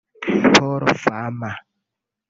Paul Farmer